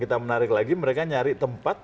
kita menarik lagi mereka nyari tempat